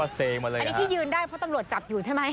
อันนี้ที่ยืนได้เพราะตำรวจจับอยู่ใช่ไหม